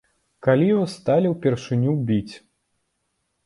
Калі вас сталі ўпершыню біць?